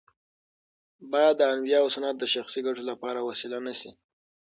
باید د انبیاوو سنت د شخصي ګټو لپاره وسیله نه شي.